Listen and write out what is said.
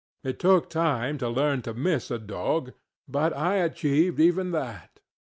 It took time to learn to miss a dog, but I achieved even that.